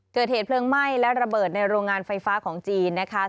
เกิดเหตุเพลิงไหม้และระเบิดในโรงงานไฟฟ้าของจีนนะคะ